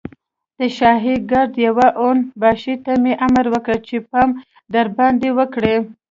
د شاهي ګارډ يوه اون باشي ته مې امر کړی چې پام درباندې وکړي.